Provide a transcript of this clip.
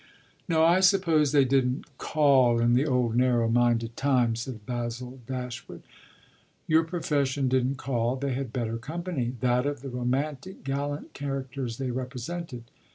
"No, I suppose they didn't 'call' in the old narrow minded time," said Basil Dashwood. "Your profession didn't call. They had better company that of the romantic gallant characters they represented.